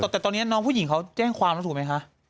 แต่ตอนนี้น้องผู้หญิงเขาแจ้งความแล้วถูกไหมคะ